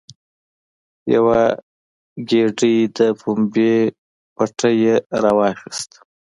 یوه ګېډۍ د پمبې پټی یې راواخیست.